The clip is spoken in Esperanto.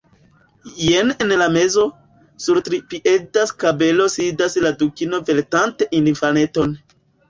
Jen en la mezo, sur tripieda skabelo sidas la Dukino vartante infaneton.